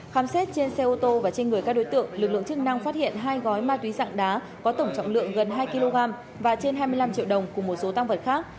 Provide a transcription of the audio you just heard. khám xét trên xe ô tô và trên người các đối tượng lực lượng chức năng phát hiện hai gói ma túy dạng đá có tổng trọng lượng gần hai kg và trên hai mươi năm triệu đồng cùng một số tăng vật khác